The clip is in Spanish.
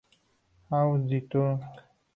Aus d. Türk.